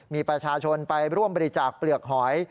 มีประชาชนไปร่วมบริจาคเปลือกหอย